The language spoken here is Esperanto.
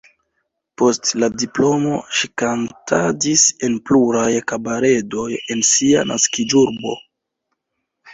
Post la diplomo ŝi kantadis en pluraj kabaredoj en sia naskiĝurbo.